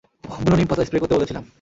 বুনো নিম পাতা স্প্রে করতে বলেছিলাম!